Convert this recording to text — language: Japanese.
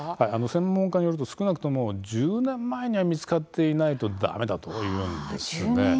専門家によると少なくとも１０年前には見つかっていないとだめだというんです。